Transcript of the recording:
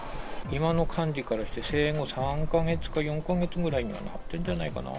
今の感じからして、生後３か月か４か月ぐらいにはなってるんじゃないかな。